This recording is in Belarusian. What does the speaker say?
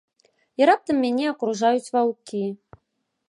І раптам мяне акружаюць ваўкі.